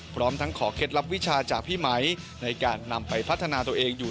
พร้อมทั้งขอเคล็ดลับวิชาจากพี่ไหมในการนำไปพัฒนาตัวเองอยู่